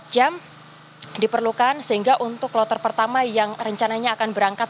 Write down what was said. dua puluh jam diperlukan sehingga untuk kloter pertama yang rencananya akan berangkat